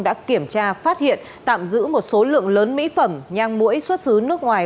đã kiểm tra phát hiện tạm giữ một số lượng lớn mỹ phẩm nhang mũi xuất xứ nước ngoài